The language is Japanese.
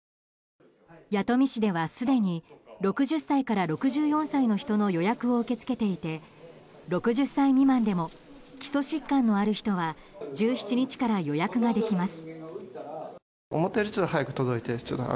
弥富市ではすでに６０歳から６４歳の人の予約を受け付けていて６０歳未満でも基礎疾患のある人は１７日から予約ができます。